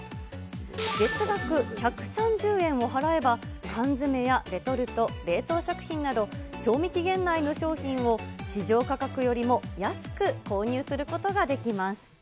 月額１３０円を払えば、缶詰やレトルト、冷凍食品など、賞味期限内の商品を市場価格よりも安く購入することができます。